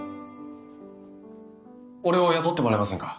俺を雇ってもらえませんか？